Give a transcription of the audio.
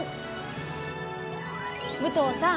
武藤さん